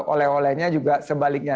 oleh olehnya juga sebaliknya